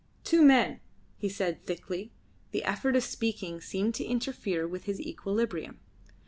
"Two men," he said thickly. The effort of speaking seemed to interfere with his equilibrium.